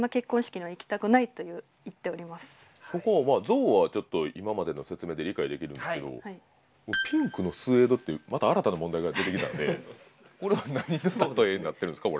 象はちょっと今までの説明で理解できるんですけど「ピンクのスエード」ってまた新たな問題が出てきたんでこれは何のたとえになってるんですか？